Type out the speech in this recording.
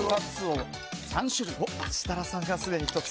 設楽さんがすでに１つ。